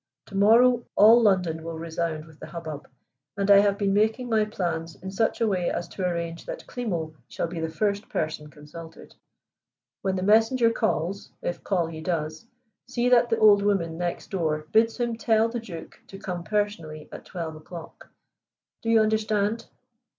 To morrow all London will resound with the hubbub, and I have been making my plans in such a way as to arrange that Klimo shall be the first person consulted. When the messenger calls, if call he does, see that the old woman next door bids him tell the Duke to come personally at twelve o'clock. Do you understand?"